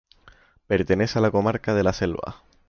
Pertenece a la comarca de La Selva.